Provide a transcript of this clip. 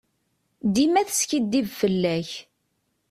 Dima teskidib fell-ak.